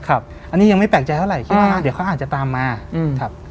อันนี้ยังไม่แปลกใจเท่าไหร่เดี๋ยวเขาอาจจะตามมา